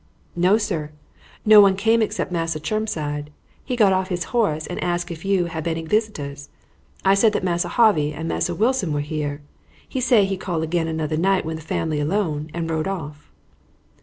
"No, sir; no one came except Massa Chermside. He get off his horse and ask if you, hab any visitors. I said that Massa Harvey and Massa Wilson were here. He say he call again another night when the family alone, and rode off."